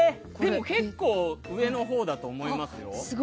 結構、上のほうだ思いますよ。